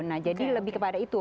nah jadi lebih kepada itu